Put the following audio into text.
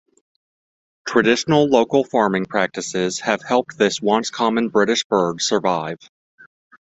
Traditional local farming practices have helped this once common British bird survive.